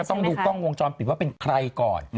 ต้องดูกล้องวงจรปิดว่าเป็นใครก่อน